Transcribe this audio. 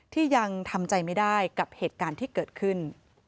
ที่ยังทำใจไม่ได้กับเหตุการณ์ที่เกิดขึ้น